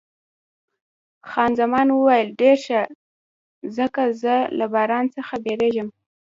خان زمان وویل، ډېر ښه، ځکه زه له باران څخه بیریږم.